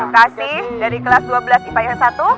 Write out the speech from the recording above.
kasih dari kelas dua belas ifa ih satu